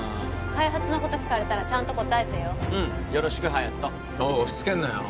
開発のこと聞かれたらちゃんと答えてようんよろしく隼人おい押しつけんなよ